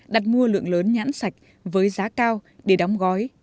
đặt mua lượng lớn nhãn sạch với giá cao để đóng gói